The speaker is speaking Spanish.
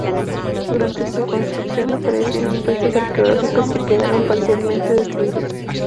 Durante su construcción, aparecieron restos arqueológicos que quedaron parcialmente destruidos.